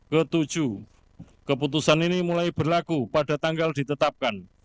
ketujuh keputusan ini mulai berlaku pada tanggal ditetapkan